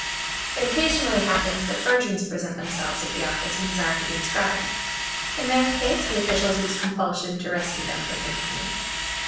It occasionally happens that virgins present themselves at the office and desire to be inscribed; in their case the officials use compulsion to rescue them from infamy.